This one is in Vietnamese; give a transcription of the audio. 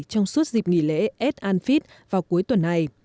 trong suốt dịp nghỉ lễ eftanfit vào cuối tuần này